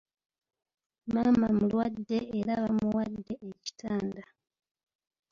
Maama mulwadde era baamuwadde ekitanda.